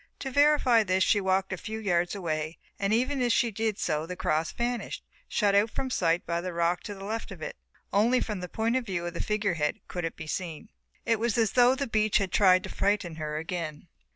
To verify this she walked a few yards away and even as she did so the cross vanished, shut out from sight by the rock to the left of it. Only from the point of view of the figure head could it be seen. It was as though the beach had tried to frighten her again.